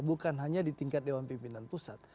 bukan hanya di tingkat dewan pimpinan pusat